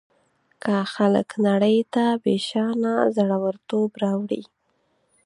که خلک نړۍ ته بېشانه زړه ورتوب راوړي.